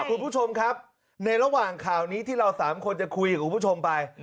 คุณผู้ชมครับในระหว่างข่าวนี้ที่เราสามคนจะคุยกับคุณผู้ชมไป